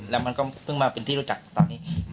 แล้วมันก็เพิ่งมาเป็นที่รู้จักตอนนี้